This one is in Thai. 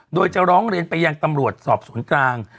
โดยจะร้องเรียนไปยังตำรวจสอบสวนกลาง